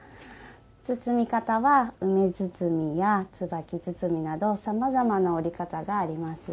包み方は梅包や椿包など、さまざまな折り方があります。